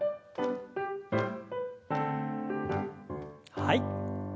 はい。